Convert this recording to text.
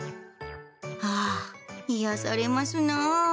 ああ、癒やされますなあ。